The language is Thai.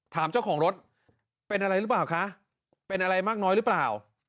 ถามเจ้าของรถเป็นอะไรหรือเปล่าคะเป็นอะไรมากน้อยหรือเปล่า